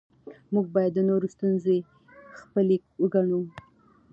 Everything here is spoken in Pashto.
موږ باید د نورو ستونزې خپلې وګڼو